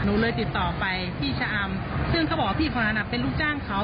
หนูเลยติดต่อไปพี่ชะอำซึ่งเขาบอกว่าพี่คนนั้นเป็นลูกจ้างเขา